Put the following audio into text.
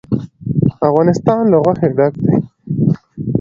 افغانستان له غوښې ډک دی.